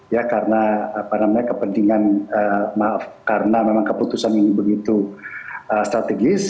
ya karena apa namanya kepentingan maaf karena memang keputusan ini begitu strategis